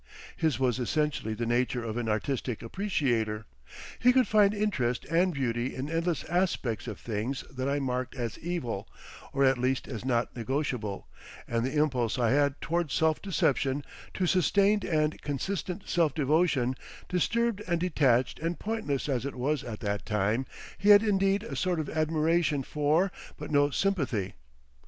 His was essentially the nature of an artistic appreciator; he could find interest and beauty in endless aspects of things that I marked as evil, or at least as not negotiable; and the impulse I had towards self deception, to sustained and consistent self devotion, disturbed and detached and pointless as it was at that time, he had indeed a sort of admiration for but no sympathy.